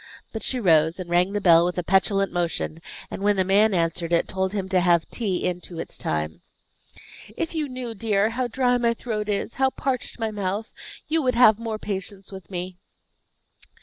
But she rose, and rang the bell with a petulant motion, and when the man answered it, told him to have tea in to its time. "If you knew dear, how dry my throat is, how parched my mouth, you would have more patience with me."